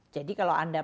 jadi kalau anda